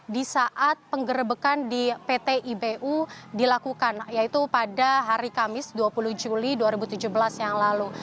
di saat penggerbekan di pt ibu dilakukan yaitu pada hari kamis dua puluh juli dua ribu tujuh belas yang lalu